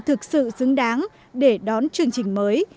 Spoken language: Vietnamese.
thực sự xứng đáng để đón chương trình mới